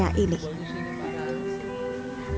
nantinya akan dipekerjakan di area ini